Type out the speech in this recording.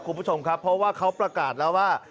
คุณผู้ชมครับเพราะว่าเขาประกาศแล้วว่า